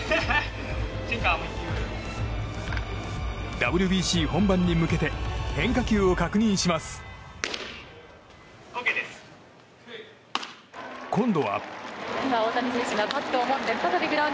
ＷＢＣ本番に向けて変化球を確認します。今度は。